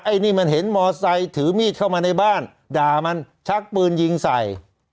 อันนี้มันเห็นมอไซค์ถือมีดเข้ามาในบ้านด่ามันชักปืนยิงใส่